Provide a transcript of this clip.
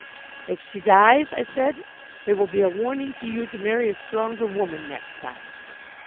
"If she dies," I said, "it will be a warning to you to marry a stronger woman next time."